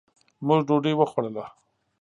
مونږ ډوډي وخوړله